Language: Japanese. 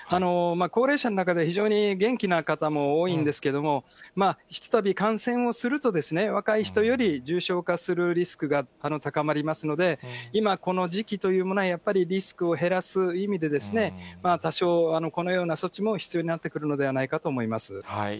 高齢者の中で非常に元気な方も多いんですけれども、ひとたび感染をすると、若い人より重症化するリスクが高まりますので、今、この時期というのは、やっぱりリスクを減らす意味で、多少、このような措置も必要になってくるのではないかと思います。